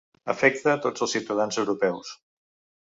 Afecta tots els ciutadans europeus.